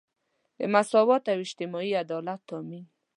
د مساوات او اجتماعي عدالت تامین.